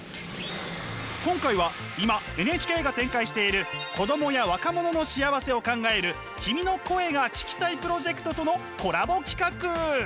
今回は今ＮＨＫが展開している子どもや若者の幸せを考える「君の声が聴きたい」プロジェクトとのコラボ企画！